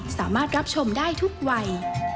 สามารถรับชมได้ทุกวัย